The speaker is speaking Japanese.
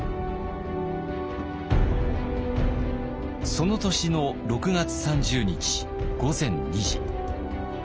その年の６月３０日午前２時。